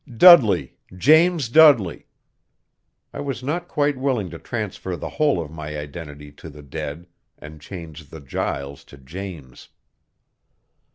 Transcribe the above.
"Dudley James Dudley." I was not quite willing to transfer the whole of my identity to the dead, and changed the Giles to James.